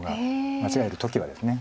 間違える時はです。